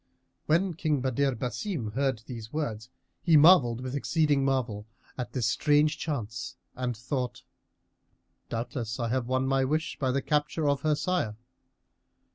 When King Badr Basim heard these words he marvelled with exceeding marvel at this strange chance, and thought: "Doubtless I have won my wish by the capture of her sire."